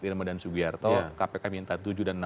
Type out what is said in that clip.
ilma dan sugiharto kpk minta tujuh dan